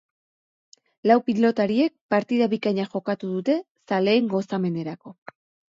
Lau pilotariek partida bikaina jokatu dute zaleen gozamenerako.